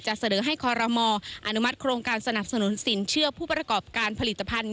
เสนอให้คอรมออนุมัติโครงการสนับสนุนสินเชื่อผู้ประกอบการผลิตภัณฑ์